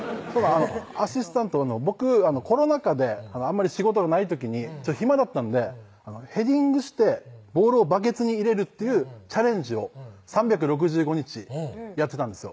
アシスタントの僕コロナ禍であまり仕事がない時に暇だったんでへディングしてボールをバケツに入れるっていうチャレンジを３６５日やってたんですよ